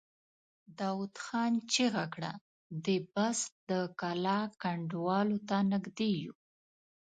داوود خان چيغه کړه! د بست د کلا کنډوالو ته نږدې يو!